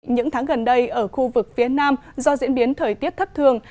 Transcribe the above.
những tháng gần đây ở khu vực phía nam do diễn biến thời tiết thất thường